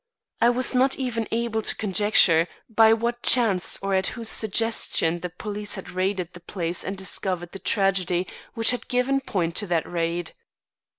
I was not even able to conjecture by what chance or at whose suggestion the police had raided the place and discovered the tragedy which had given point to that raid.